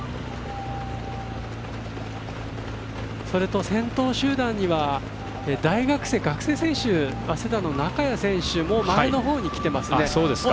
それと、先頭集団には大学生、学生選手早稲田の中谷選手も前のほうに来てますね。